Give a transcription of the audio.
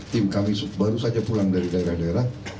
tim kami baru saja pulang dari daerah daerah